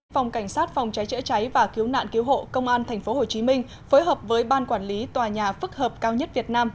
phòng cảnh sát phòng cháy chữa cháy và cứu nạn cứu hộ công an tp hcm phối hợp với ban quản lý tòa nhà phức hợp cao nhất việt nam